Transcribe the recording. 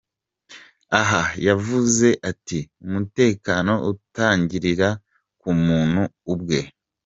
Aha yavuze ati:’Umutekano utangirira ku muntu ubwe.